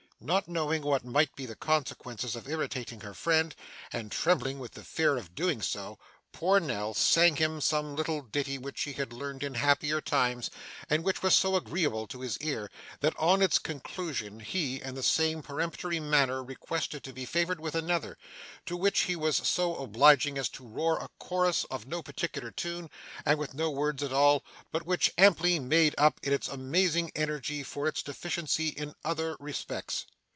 Not knowing what might be the consequences of irritating her friend, and trembling with the fear of doing so, poor Nell sang him some little ditty which she had learned in happier times, and which was so agreeable to his ear, that on its conclusion he in the same peremptory manner requested to be favoured with another, to which he was so obliging as to roar a chorus to no particular tune, and with no words at all, but which amply made up in its amazing energy for its deficiency in other respects.